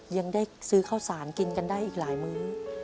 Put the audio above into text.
ยังได้ซื้อข้าวสารกินกันได้อีกหลายมื้อ